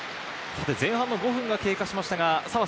前半５分が経過しました。